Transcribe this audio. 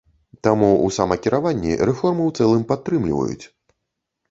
Таму ў самакіраванні рэформу ў цэлым падтрымліваюць.